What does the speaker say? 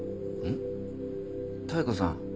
妙子さん